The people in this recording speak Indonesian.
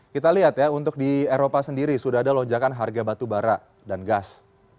kita lihat ya untuk di eropa sendiri sudah ada lonjakan harga batubara dan gas